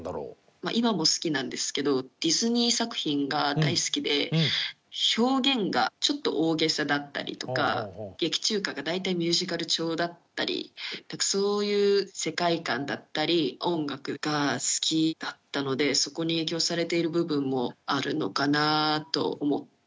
今も好きなんですけどディズニー作品が大好きで表現がちょっと大げさだったりとか劇中歌が大体ミュージカル調だったりしてそういう世界観だったり音楽が好きだったのでそこに影響されている部分もあるのかなと思ってはいます。